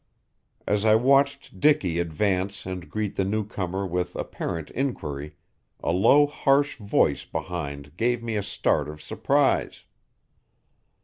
As I watched Dicky advance and greet the new comer with apparent inquiry, a low harsh voice behind gave me a start of surprise.